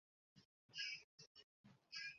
সে যেন হল, কিন্তু তুমি কেমন আছ দিদি?